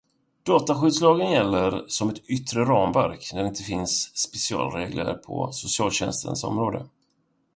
Dataskyddslagen gäller som ett yttre ramverk när det inte finns specialregler på socialtjänstens område.